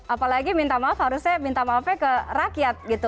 apalagi minta maaf harusnya minta maafnya ke rakyat gitu